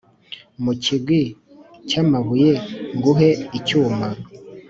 mu kigwi cy’amabuye, nguhe icyuma.